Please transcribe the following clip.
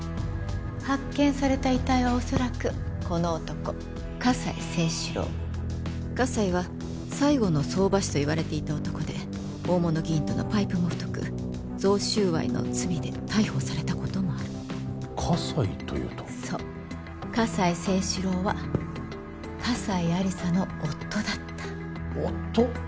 発見された遺体はおそらくこの男葛西征四郎葛西は最後の相場師といわれていた男で大物議員とのパイプも太く贈収賄の罪で逮捕されたこともある葛西というとそう葛西征四郎は葛西亜理紗の夫だった夫！？